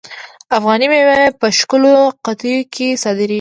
افغاني میوې په ښکلو قطیو کې صادریږي.